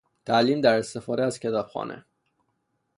تعلیم در استفاده از کتابخانه